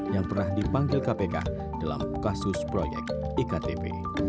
yang pernah dipanggil kpk dalam kasus proyek iktp